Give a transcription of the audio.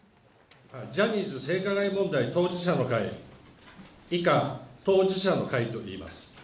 ジャニーズ性加害問題当事者の会、以下、当事者の会といいます。